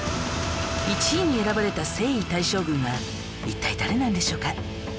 １位に選ばれた征夷大将軍は一体誰なんでしょうか？